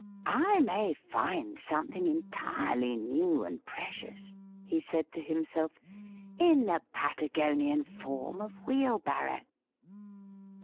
'I may find something entirely new and precious,' he said to himself, ' in the Patagonian form of wheelbarrow.'